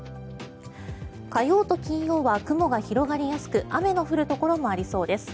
火曜と金曜は雲が広がりやすく雨の降るところもありそうです。